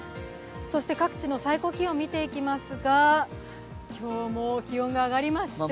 そして各地の最高気温、見ていきますが今日も気温が上がりまして。